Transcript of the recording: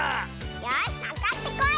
よしかかってこい！